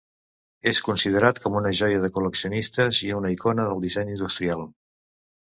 És considerat com una joia de col·leccionistes i una icona del disseny industrial.